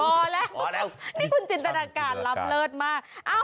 พอแล้วนี่คุณจินตนาการรับเลิศมาก